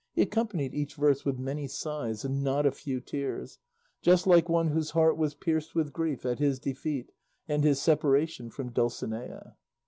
He accompanied each verse with many sighs and not a few tears, just like one whose heart was pierced with grief at his defeat and his separation from Dulcinea.